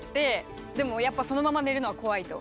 でもやっぱそのまま寝るのは怖いと。